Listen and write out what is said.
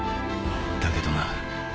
だけどな。